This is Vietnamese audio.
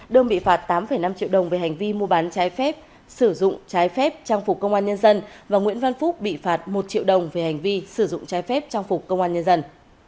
đương bị phạt tám năm triệu đồng về hành vi mua bán trái phép sử dụng trái phép trang phục công an nhân dân và nguyễn văn phúc bị phạt một triệu đồng về hành vi sử dụng trái phép trang phục công an nhân dân